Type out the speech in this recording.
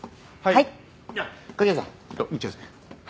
はい。